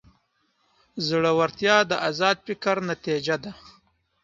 زړورتیا د ازاد فکر نتیجه ده.